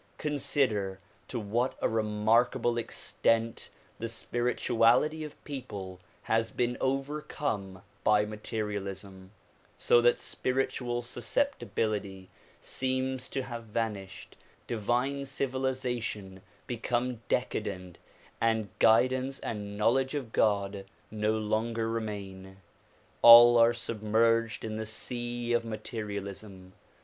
Consider to what a remarkable extent the spirituality of people has been overcome by materialism, so that spiritual susceptibility seems to have vanished, divine civilization become decadent, and guidance and knowledge of God no longer remain. All are sub merged in the sea of materialism.